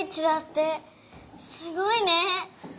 すごいね。